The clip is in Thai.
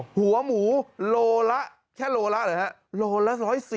หัวหมูโลละแค่โลละเหรอฮะโลละ๑๔๐